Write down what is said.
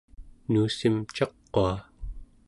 nuussim caqua